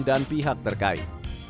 dan pihak terkait